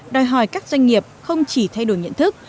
đòi hỏi các doanh nghiệp không chỉ thay đổi nhận thức